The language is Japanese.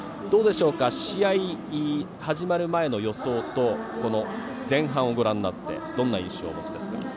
試合始まる前の予想と前半をご覧になってどんな印象をお持ちですか？